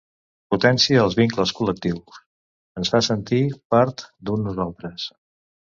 Potencia els vincles col·lectius, ens fa sentir part d’un nosaltres.